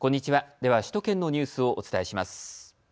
では首都圏のニュースをお伝えします。